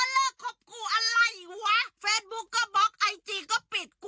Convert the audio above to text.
ไม่ทำอะไรกันเลย